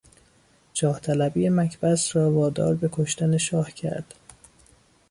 جاهطلبی مکبث را وادار به کشتن شاه کرد.